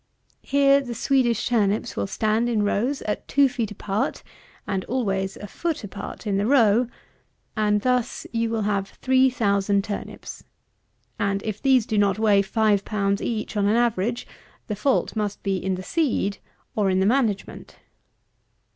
Here the Swedish turnips will stand in rows at two feet apart, (and always a foot apart in the row,) and thus you will have three thousand turnips; and if these do not weigh five pounds each on an average, the fault must be in the seed or in the management.